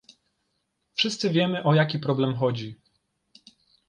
Wszyscy wiemy, o jaki problem chodzi